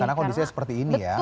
karena kondisinya seperti ini ya